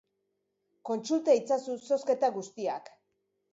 Kontsulta itzazu zozketa guztiak.